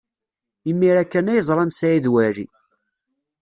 Imir-a kan ay ẓran Saɛid Waɛli.